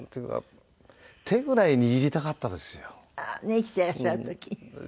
生きてらっしゃる時。